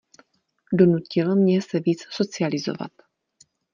Donutil mě se víc socializovat.